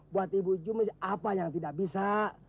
buat ibu jumi apa yang tidak bisa